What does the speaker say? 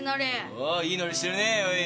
おういいノリしてるねおい。